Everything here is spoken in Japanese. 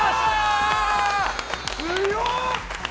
強っ！